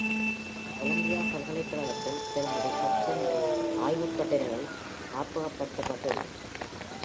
Colombia பல்கலைக்கழகத்தில் திருமதி Hobson இன் ஆய்வுக்கட்டுரைகள் காப்பகப்படுத்தப்பட்டுள்ளன.